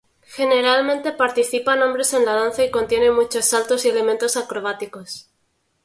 Generalmente participan hombres en la danza y contiene muchos saltos y elementos acrobáticos.